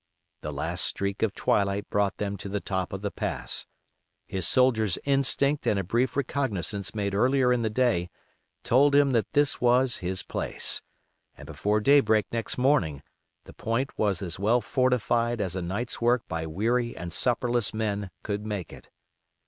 The last streak of twilight brought them to the top of the pass; his soldier's instinct and a brief recognizance made earlier in the day told him that this was his place, and before daybreak next morning the point was as well fortified as a night's work by weary and supperless men could make it.